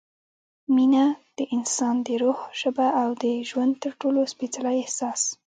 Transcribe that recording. مینه – د انسان د روح ژبه او د ژوند تر ټولو سپېڅلی احساس